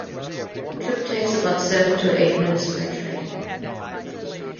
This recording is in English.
The trip takes about seven to eight minutes by train.